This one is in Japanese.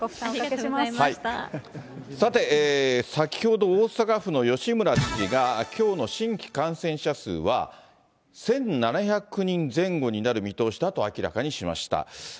さて、先ほど大阪府の吉村知事が、きょうの新規感染者数は、１７００人前後になる見通しだと明らかにしました。